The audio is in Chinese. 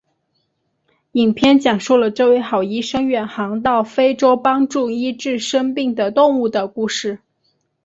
影片讲述了这位好医生远航到非洲帮助医治生病的动物的故事。